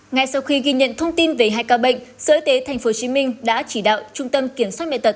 ngay sau khi ghi nhận thông tin về hai ca bệnh sở y tế tp hcm đã chỉ đạo trung tâm kiểm soát bệnh tật